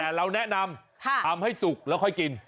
แต่เราแนะนำทำให้สุกแล้วค่อยกิน